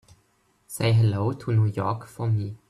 Say hello to New York for me.